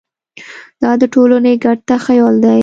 دا د ټولنې ګډ تخیل دی.